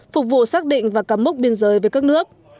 phục vụ xác định và cắm mốc biên giới với các nước